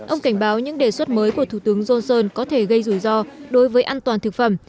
ông cảnh báo những đề xuất mới của thủ tướng johnson có thể gây rủi ro đối với an toàn thực phẩm